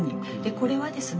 これはですね